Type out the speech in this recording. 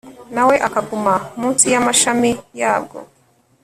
na we akaguma mu nsi y'amashami yabwo